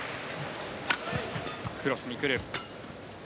クロスに来る。